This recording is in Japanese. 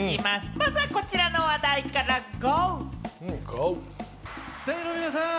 まずはこちらの情報から、ゴ！